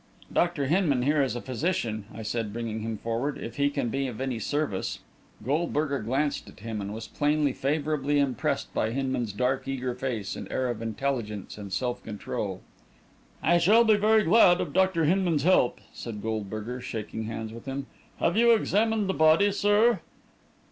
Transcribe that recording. "Doctor Hinman here is a physician," I said, bringing him forward. "If he can be of any service...." Goldberger glanced at him, and was plainly favorably impressed by Hinman's dark, eager face, and air of intelligence and self control. "I shall be very glad of Dr. Hinman's help," said Goldberger, shaking hands with him. "Have you examined the body, sir?"